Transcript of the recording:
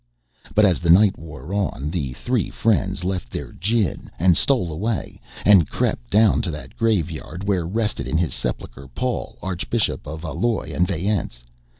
But as the night wore on the three friends left their gin and stole away, and crept down to that graveyard where rested in his sepulchre Paul, Archbishop of Alois and Vayence.